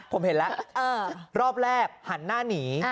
ก็ต้องเห็นละรอบแรกหันหน้าหนี